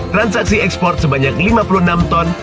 transaksi ekspor sebanyak lima puluh enam ton